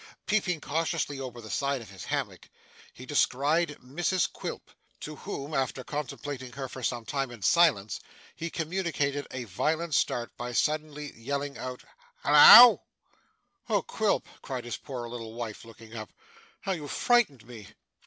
Peeping cautiously over the side of his hammock, he descried Mrs Quilp, to whom, after contemplating her for some time in silence, he communicated a violent start by suddenly yelling out 'Halloa!' 'Oh, Quilp!' cried his poor little wife, looking up. 'How you frightened me!